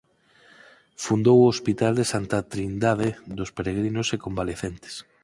Fundou o hospital de Santa Trindade dos Peregrinos e Convalecentes.